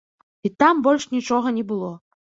І там больш нічога не было.